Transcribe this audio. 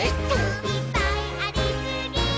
「いっぱいありすぎー！！」